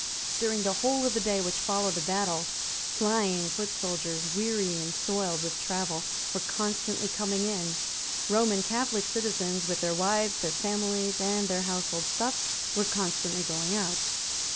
During the whole of the day which followed the battle, flying foot soldiers, weary and soiled with travel, were constantly coming in. Roman Catholic citizens, with their wives, their families and their household stuff, were constantly going out.